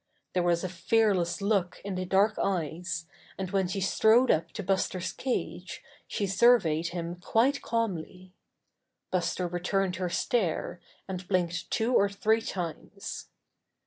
There was a fearless look in the dark eyes, and when she strode up to Buster's cage she surveyed him quite calmly. Buster returned her stare, and blinked two or three times.